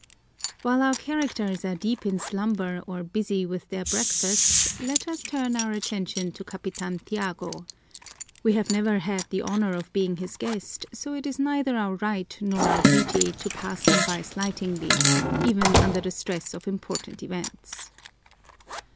While our characters are deep in slumber or busy with their breakfasts, let us turn our attention to Capitan Tiago. We have never had the honor of being his guest, so it is neither our right nor our duty to pass him by slightingly, even under the stress of important events.